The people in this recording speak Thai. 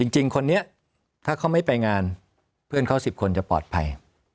จริงคนนี้ถ้าเขาไม่ไปงานเพื่อนเขา๑๐คนจะปลอดภัย